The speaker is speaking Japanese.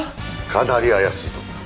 かなり怪しいと。